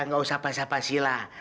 nggak usah basah basih lah